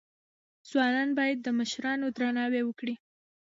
ځوانان باید د مشرانو درناوی وکړي.